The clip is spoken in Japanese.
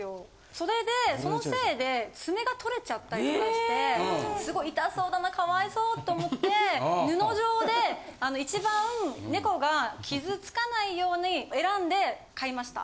それでそのせいで爪が取れちゃったりとかしてすごい痛そうだなかわいそうと思って布状で一番猫が傷付かないように選んで買いました。